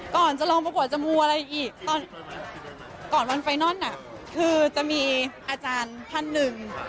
ก่อนจะลองบะปะจ๋วเสมออะไรอีบฝังก่อนวันไฟนรอนอ่ะคือจะมีอาจารย์พันหนึ่ง